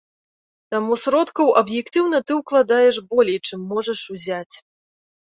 Таму сродкаў аб'ектыўна ты ўкладаеш болей, чым можаш узяць.